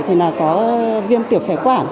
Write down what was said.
thì là có viêm tiểu phế quản